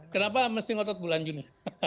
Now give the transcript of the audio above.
kenapa mesti ngotot bulan juni